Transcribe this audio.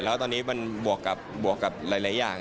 แล้วตอนนี้มันบวกกับหลายอย่าง